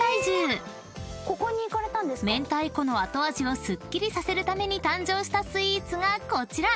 ［明太子の後味をすっきりさせるために誕生したスイーツがこちら！］